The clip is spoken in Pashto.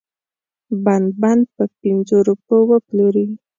بند بند په پنځو روپو وپلوري.